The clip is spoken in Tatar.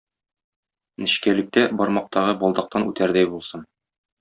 Нечкәлектә бармактагы балдактан үтәрдәй булсын.